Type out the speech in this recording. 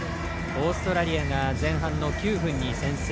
オーストラリアが前半の９分に先制。